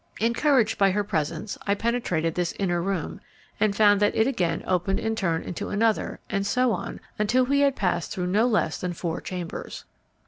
Encouraged by her presence, I penetrated this inner room and found that it again opened in turn into another, and so on until we had passed through no less than four chambers.